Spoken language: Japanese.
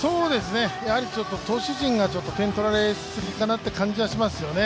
やはり投手陣が点取られすぎかなという感じがしますよね。